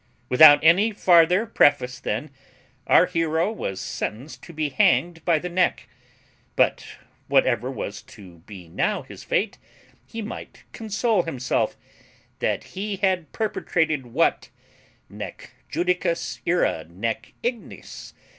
Without any farther preface then, our hero was sentenced to be hanged by the neck: but, whatever was to be now his fate, he might console himself that he had perpetrated what Nec Judicis ira, nec ignis.